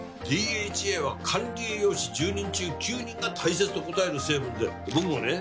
ＤＨＡは管理栄養士１０人中９人が大切と答える成分で僕もね